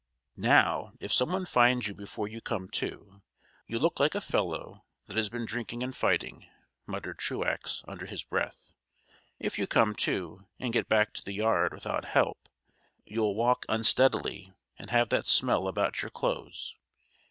"Now, if someone finds you before you come to, you'll look like a fellow that has been drinking and fighting," muttered Truax under his breath. "If you come to and get back to the yard without help, you'll walk unsteadily and have that smell about your clothes.